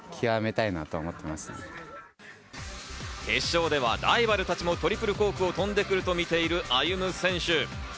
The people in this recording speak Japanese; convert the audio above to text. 決勝ではライバルたちもトリプルコークを飛んでくるとみている歩夢選手。